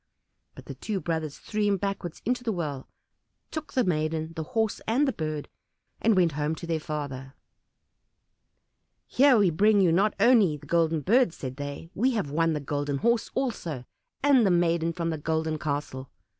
But the two brothers threw him backwards into the well, took the maiden, the Horse, and the Bird, and went home to their father. "Here we bring you not only the Golden Bird," said they; "we have won the Golden Horse also, and the maiden from the Golden Castle."